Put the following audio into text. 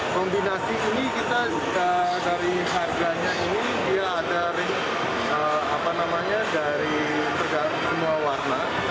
kombinasi ini kita dari harganya ini dia ada dari semua warna